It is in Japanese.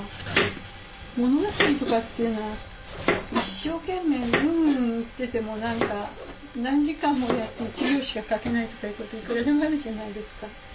物語とかっていうのは一生懸命うんうん言ってても何か何時間もやって１行しか書けないとかいうこといくらでもあるじゃないですか。